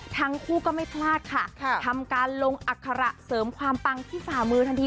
ทั้งคู่ก็ไม่พลาดค่ะทำการลงอัคระเสริมความปังที่ฝ่ามือทันที